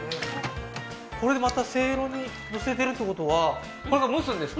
これまたセイロに載せてるってことはこれから蒸すんですか？